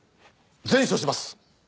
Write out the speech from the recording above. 善処します。